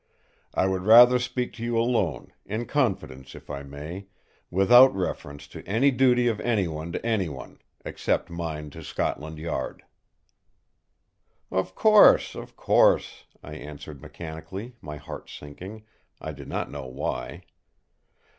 I would rather speak to you alone, in confidence if I may, without reference to any duty of anyone to anyone, except mine to Scotland Yard." "Of course! of course!" I answered mechanically, my heart sinking, I did not know why.